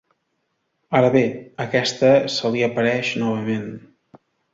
Ara bé, aquesta se li apareix novament.